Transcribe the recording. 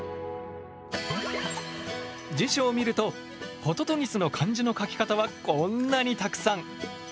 辞書を見るとホトトギスの漢字の書き方はこんなにたくさん！